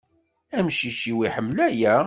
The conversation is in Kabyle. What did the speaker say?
Amcic-iw iḥemmel aya.